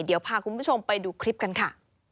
เดี๋ยวพาคุณผู้ชมไปดูคลิปกันค่ะ